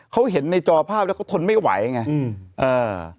เขาเห็นในจอภาพแล้วเขาทนไม่ไหวไงอืมเออ